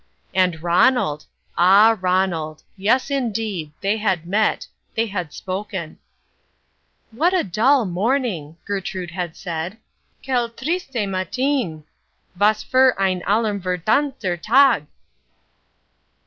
And Ronald! ah, Ronald! Yes, indeed! They had met. They had spoken. "What a dull morning," Gertrude had said. _"Quelle triste matin! Was fur ein allerverdamnter Tag!"